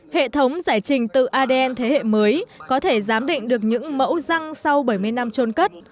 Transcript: hệ thống giải trình tự adn thế hệ mới có thể giám định được những mẫu răng sau bảy mươi năm trôn cất